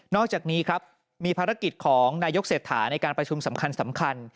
อกจากนี้ครับมีภารกิจของนายกเศรษฐาในการประชุมสำคัญ